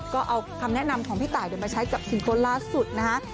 ก็เอาคำแนะนำของพี่ตายมาใช้กับซิงเกิ้ลล่าสุดนะฮะ